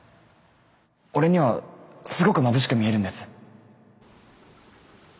俺にはすごくまぶしく見えるんです。